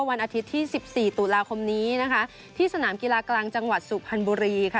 วันอาทิตย์ที่สิบสี่ตุลาคมนี้นะคะที่สนามกีฬากลางจังหวัดสุพรรณบุรีค่ะ